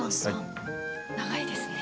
長いですね。